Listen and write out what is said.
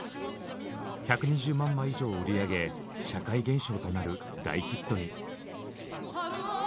１２０万枚以上を売り上げ社会現象となる大ヒットに。